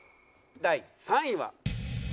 第３位は。